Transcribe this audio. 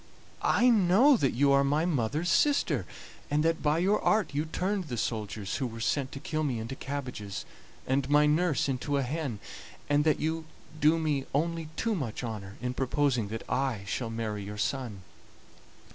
I know that you are my mother's sister, and that by your art you turned the soldiers who were sent to kill me into cabbages, and my nurse into a hen, and that you do me only too much honor in proposing that I shall marry your son.